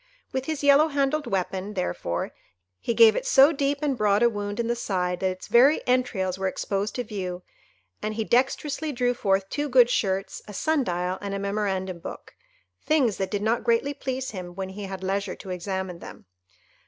With his yellow handled weapon, therefore, he gave it so deep and broad a wound in the side that its very entrails were exposed to view; and he dexterously drew forth two good shirts, a sun dial, and a memorandum book, things that did not greatly please him when he had leisure to examine them.